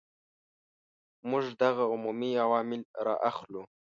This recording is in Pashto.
موږ دغه عمومي عوامل را اخلو.